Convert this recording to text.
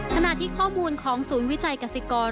ขณะที่ข้อมูลของศูนย์วิจัยกษิกร